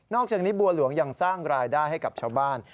อกจากนี้บัวหลวงยังสร้างรายได้ให้กับชาวบ้าน